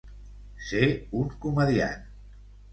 Ser un comediant.